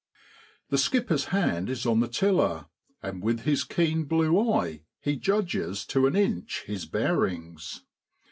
The skipper's hand is on the tiller, and with his keen blue eye he judges to an inch his bearings.